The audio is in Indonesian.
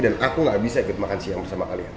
dan aku gak bisa ikut makan siang bersama kalian